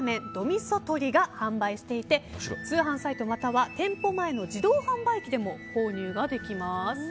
みそ鶏が販売していて通販サイトまたは店舗前の自動販売機でも購入ができます。